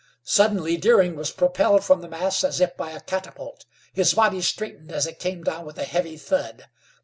Suddenly Deering was propelled from the mass as if by a catapult. His body straightened as it came down with a heavy thud.